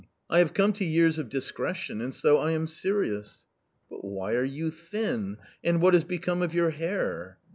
I have come to years of discretion, and so I am serious." " But why are you thin ? and what has become of your hair